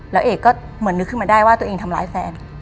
แล้วเอกก็เหมือนนึกขึ้นมาได้ว่าตัวเองทำร้ายแฟน